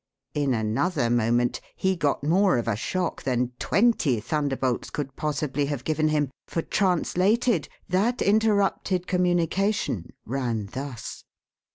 In another moment he got more of a shock than twenty thunderbolts could possibly have given him. For, translated, that interrupted communication ran thus